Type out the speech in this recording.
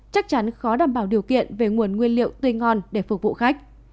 chắc chắn khó đảm bảo điều kiện về nguồn nguyên liệu tươi ngon để phục vụ khách